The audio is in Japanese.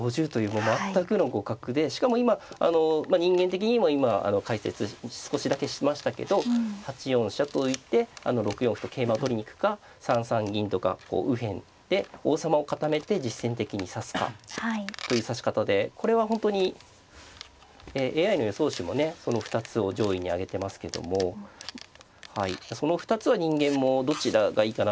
しかも今あの人間的にも今解説少しだけしましたけど８四飛車と浮いて６四歩と桂馬を取りに行くか３三銀とかこう右辺で王様を固めて実戦的に指すかという指し方でこれは本当にＡＩの予想手もねその２つを上位に挙げてますけどもその２つは人間もどちらがいいかなと。